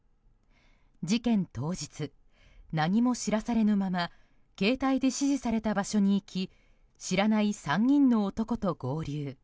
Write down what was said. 事件当日、何も知らされぬまま携帯で指示された場所に行き知らない３人の男と合流。